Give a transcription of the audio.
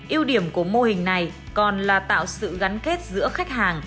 yêu điểm của mô hình này còn là tạo sự gắn kết giữa khách hàng